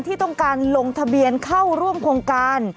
ที่ต้องการลงทะเบียนเข้าร่วมโครงการ